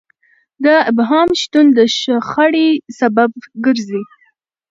د ابهام شتون د شخړې سبب ګرځي.